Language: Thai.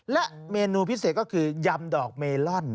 และเมนูพิเศษก็คือยำดอกเมลอน